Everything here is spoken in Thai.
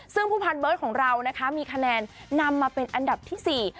ซึ่งผู้พันเบิร์ตของเรานะคะมีคะแนนนำมาเป็นอันดับที่๔